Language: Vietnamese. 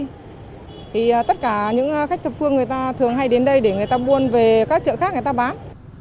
thì tất cả những khách thập phương người ta thường hay đến đây để người ta buôn về các chợ khác người ta bán